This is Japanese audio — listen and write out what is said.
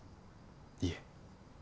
いえ。